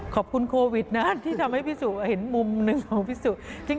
ขอบคุณโควิดนะที่ทำให้พี่สุเห็นมุมหนึ่งของพี่สุ